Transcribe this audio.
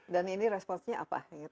dan ini responsnya apa